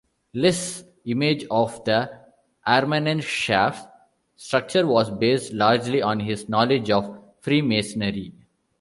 List's image of the Armanenschaft's structure was based largely on his knowledge of Freemasonry.